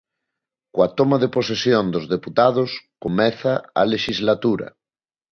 Coa toma de posesión dos deputados comeza a lexislatura.